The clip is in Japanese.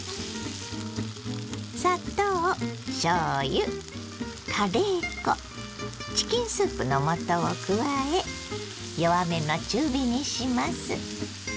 砂糖しょうゆカレー粉チキンスープの素を加え弱めの中火にします。